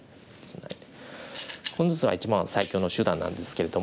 この図は一番最強の手段なんですけれども。